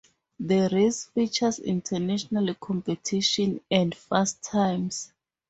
The race features international competition and fast times.